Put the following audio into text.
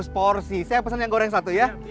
dua ratus porsi saya pesan yang goreng satu ya